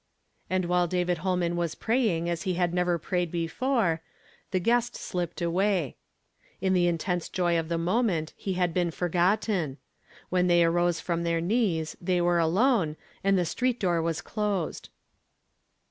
And while David Holman was praying m "THEREFORE WILL NOT WB FEAB." 851 as he had never prayed before, the guest slipped away In the intense joy of the moment he had been forgotten; when they arose from their knees they were alone, and the streetnioor was closed.